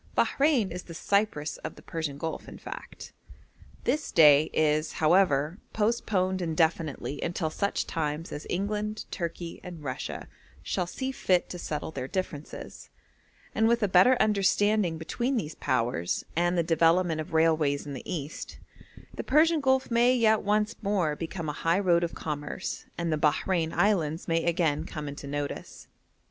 Bahrein is the Cyprus of the Persian Gulf, in fact. This day is, however, postponed indefinitely until such times as England, Turkey, and Russia shall see fit to settle their differences; and with a better understanding between these Powers, and the development of railways in the East, the Persian Gulf may yet once more become a high road of commerce, and the Bahrein Islands may again come into notice.